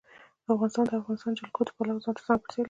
افغانستان د د افغانستان جلکو د پلوه ځانته ځانګړتیا لري.